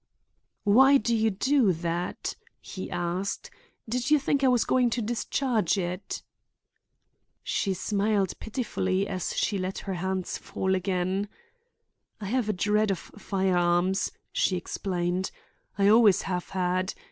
"Why do you do that?" he asked. "Did you think I was going to discharge it?" She smiled pitifully as she let her hands fall again. "I have a dread of firearms," she explained. "I always have had.